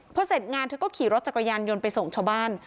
พอเสร็จงานเธอก็ขี่รถจักรยานยนต์ไปส่งชาวบ้าน